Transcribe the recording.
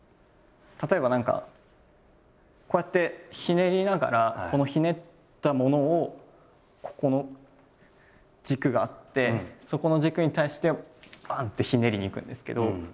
例えば何かこうやってひねりながらこのひねったものをここの軸があってそこの軸に対してバン！ってひねりにいくんですけど。